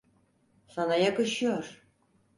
Sana yakışıyor.